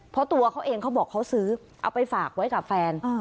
เพราะตัวเขาเองเขาบอกเขาซื้อเอาไปฝากไว้กับแฟน